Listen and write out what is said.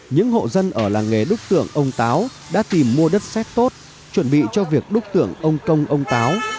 những hộ dân ở làng nghề đúc tượng ông táo đã tìm mua đất xét tốt chuẩn bị cho việc đúc tượng ông công ông táo